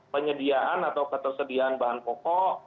penyediaan atau ketersediaan bahan pokok